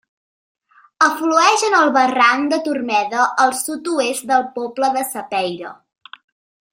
Aflueix en el barranc de Turmeda al sud-oest del poble de Sapeira.